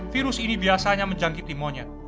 virus ini biasanya menjangkiti monyet